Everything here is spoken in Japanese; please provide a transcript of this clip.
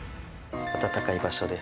暖かい場所で。